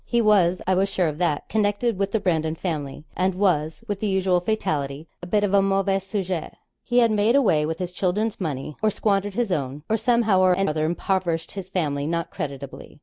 He was I was sure of that connected with the Brandon family; and was, with the usual fatality, a bit of a mauvais sujet. He had made away with his children's money, or squandered his own; or somehow or another impoverished his family not creditably.